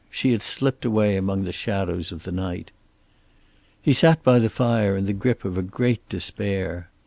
She had slipped away among the shadows of the night. He sat by the fire in the grip of a great despair.